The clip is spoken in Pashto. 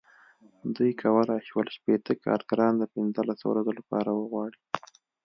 دوی کولای شول شپېته کارګران د پنځلسو ورځو لپاره وغواړي.